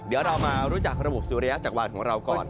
เดี๋ยวเรามารู้จักระบบสุริยะจักรวาลของเราก่อน